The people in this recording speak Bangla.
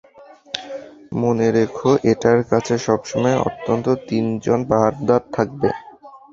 মনে রেখো, এটার কাছে সবসময় অন্তত তিনজন পাহারাদার থাকবে।